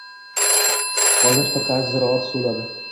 Botir firqa ziroat suvladi.